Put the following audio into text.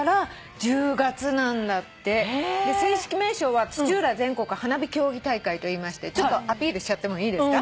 正式名称は土浦全国花火競技大会といいましてアピールしちゃっていいですか？